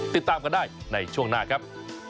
ติดตามกันได้ในช่วงหน้าครับ